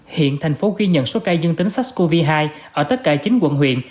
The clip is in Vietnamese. hiện tp hcm ghi nhận số ca dương tính sars cov hai ở tất cả chín quận huyện